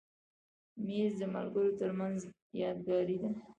مېز د ملګرو تر منځ یادګاري دی.